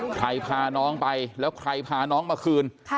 พาน้องไปแล้วใครพาน้องมาคืน